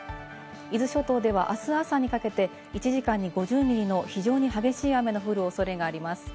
伊豆諸島ではあす朝にかけて１時間に５０ミリの非常に激しい雨の降るおそれがあります。